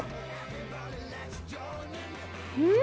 うん！